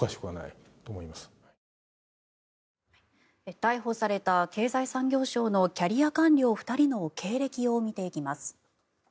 逮捕された経済産業省のキャリア官僚２人の経歴を見ていきます。